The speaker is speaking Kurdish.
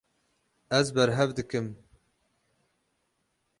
Ez berhev dikim.